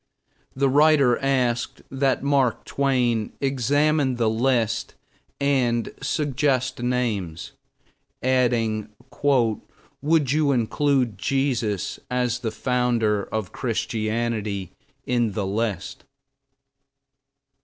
The writer asked that Mark Twain examine the list and suggest names, adding "would you include Jesus, as the founder of Christianity, in the list?"